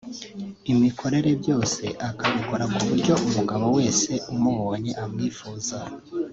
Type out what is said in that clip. imikorere byose akabikora ku buryo umugabo wese umubonye amwifuza